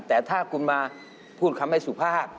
แต่ถ้าคุณมาพูดคำให้สุภาพ